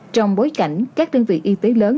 trong bối cảnh các đơn vị y tế lớn